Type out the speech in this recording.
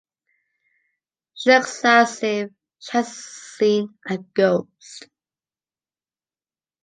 She looks as if she has seen a ghost.